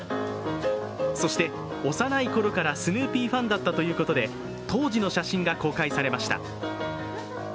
そして幼いころからスヌーピーファンだったということで当時の写真が公開されました。